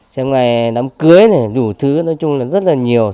xem ngày đám cưới này đủ thứ nói chung là rất là nhiều